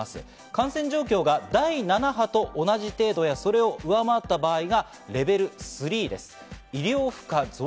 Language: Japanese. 感染状況が第７波と同じ程度やそれを上回った場合がレベル３です。